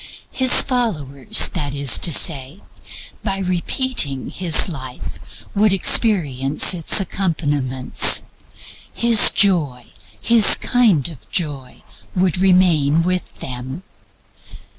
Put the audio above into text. His followers, (that is to say), by repeating His life would experience its accompaniments. His Joy, His kind of Joy, would remain with them.